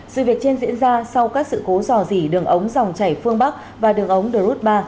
sự việc trên diễn ra sau các sự cố rò rỉ đường ống dòng chảy phương bắc và đường ống derut ba